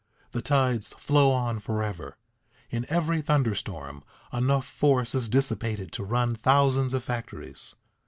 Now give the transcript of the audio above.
The tides flow on forever. In every thunder storm enough force is dissipated to run thousands of factories.